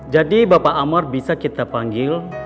jadi bapak amal bisa kita panggil